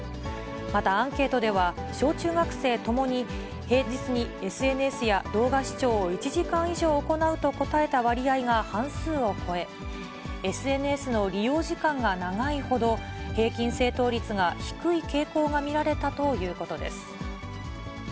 また、アンケートでは、小中学生ともに、平日にＳＮＳや動画視聴を１時間以上行うと答えた割合が半数を超え、ＳＮＳの利用時間が長いほど、平均正答率が低い傾向が見られたということです。